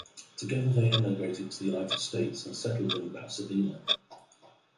Together they emigrated to the United States and settled in Pasadena.